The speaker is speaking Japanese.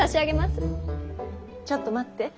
ちょっと待って。